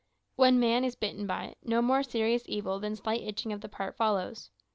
When man is bitten by it, no more serious evil than slight itching of the part follows.